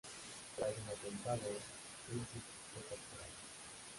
Tras el atentado, Princip fue capturado.